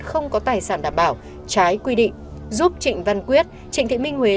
không có tài sản đảm bảo trái quy định giúp trịnh văn quyết trịnh thị minh huế